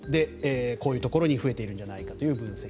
こういうところに増えているんじゃないかという分析。